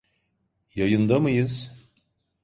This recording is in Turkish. Yayında mıyız?